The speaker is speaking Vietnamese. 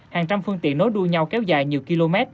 hàng trăm phương tiện nối đuôi nhau kéo dài nhiều km